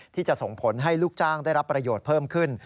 ที่จะส่งผลให้ลูกจ้างได้รับประโยชน์เพิ่มขึ้น